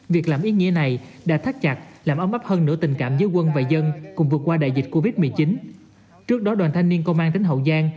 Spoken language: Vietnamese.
việc làm ý nghĩa này đã thắt chặt làm ấm ấp hơn nửa tình cảm giữa quân và dân